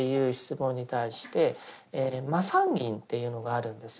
「麻三斤」っていうのがあるんです。